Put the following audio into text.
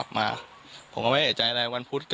ฟังเสียงลูกจ้างรัฐตรเนธค่ะ